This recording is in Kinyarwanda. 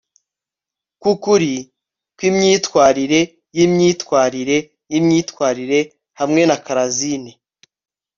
kwukuri kwimyitwarire yimyitwarire yimyitwarire hamwe na crazine